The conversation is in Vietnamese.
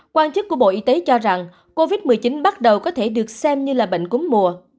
quan chức của bộ y tế cho rằng covid một mươi chín bắt đầu có thể được xem như là bệnh cúm mùa